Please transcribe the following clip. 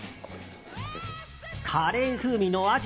カレー風味のアジ。